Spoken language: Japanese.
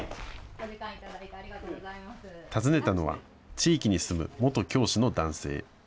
訪ねたのは地域に住む元教師の男性。